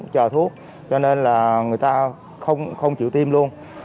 chờ thuốc cho nên là người ta không chịu tiêm luôn